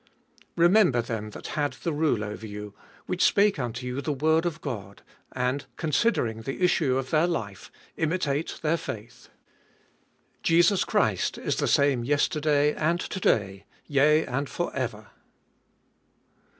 Remember them that had the rule over you, which spake unto you the word of God ; and considering the issue of their life, Imitate their faith. 8. Jesus Christ is the same yesterday and to day, yea and for ever.